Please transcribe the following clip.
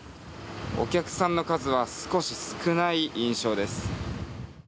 お客さんの数は少し少ない印象です。